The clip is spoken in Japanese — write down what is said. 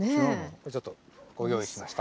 ちょっとご用意しました。